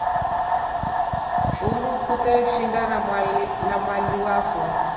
Uruu kute shida ya maliwa fo.